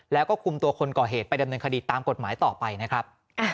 แล้วก็คุมตัวคนก่อเหตุไปดำเนินคดีตามกฎหมายต่อไปนะครับ